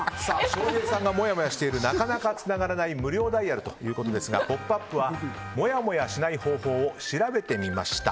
翔平さんがもやもやしているなかなかつながらない無料ダイヤルということですが「ポップＵＰ！」はもやもやしない方法を調べてみました。